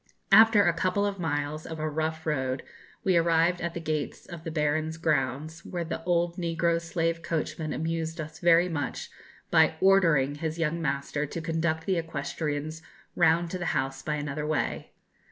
After a couple of miles of a rough road we arrived at the gates of the Baron's grounds, where the old negro slave coachman amused us very much by ordering his young master to conduct the equestrians round to the house by another way.